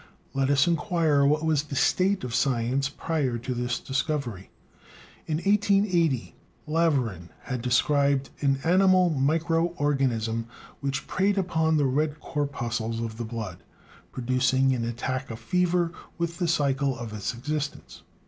Let us inquire what was the state of science prior to this discovery. In 1880 Laveran had described an animal micro organism, which preyed upon the red corpuscles of the blood, producing an attack of fever with the cycle of its existence.